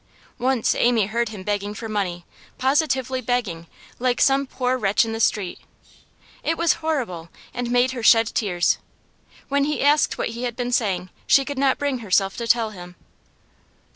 Once Amy heard him begging for money positively begging, like some poor wretch in the street; it was horrible, and made her shed tears; when he asked what he had been saying, she could not bring herself to tell him.